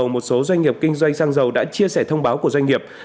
một số doanh nghiệp kinh doanh xăng dầu đã chia sẻ thông báo của doanh nghiệp